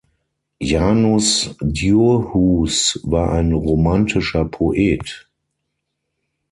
Janus Djurhuus war ein romantischer Poet.